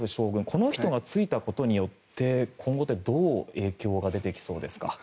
この人が就いたことによって今後、どう影響が出てきそうですか？